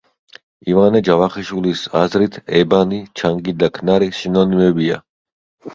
ივანე ჯავახიშვილის აზრით, ებანი, ჩანგი და ქნარი სინონიმებია.